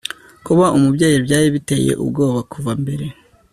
kuba umubyeyi byari biteye ubwoba kuva mbere